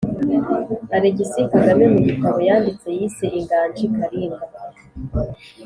alegisi kagame, mu gitabo yanditse yise inganji kalinga,